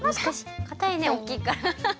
かたいねおおきいから。